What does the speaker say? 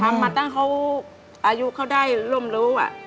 มาตั้งเขาอายุเขาได้ร่วมรู้